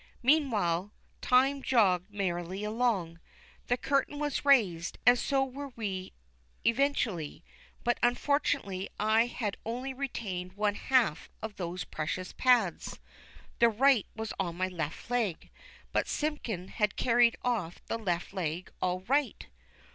Meanwhile, time jogged merrily along. The curtain was raised, and so were we eventually; but unfortunately I had only retained one half of those precious pads. The right was left on my leg, but Simpkin had carried off the left leg all right!